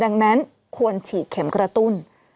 ดังนั้นควรฉีดเข็มกระตุ้น